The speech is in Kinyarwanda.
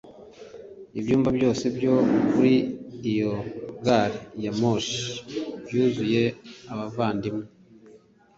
ibyumba byose byo kuri iyo gari ya moshi byuzuye abavandimwe